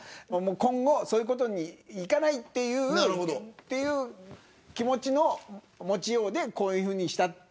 今後そういうことにいかないという気持ちの持ちようでこういうふうにしたと